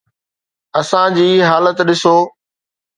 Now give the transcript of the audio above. اسان جي حالت ڏسو.